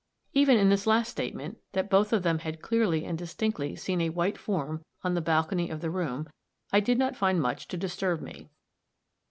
Even in this last statement, that both of them had clearly and distinctly seen a white form on the balcony of the room, I did not find much to disturb me.